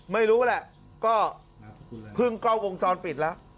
ไม่รู้แหละก็เพิ่งกล้องวงจรปิดแล้ว